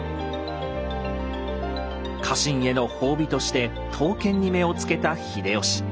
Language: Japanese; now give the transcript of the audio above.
家臣への褒美として刀剣に目をつけた秀吉。